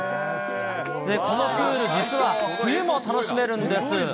このプール、実は冬も楽しめるんです。